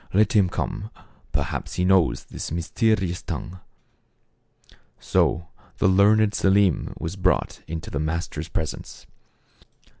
Let him come ; perhaps he knows this mysterious tongue." So the learned Selim was brought into the master's presence.